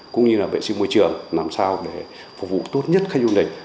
cũng như là vệ sinh môi trường làm sao để phục vụ tốt nhất khách du lịch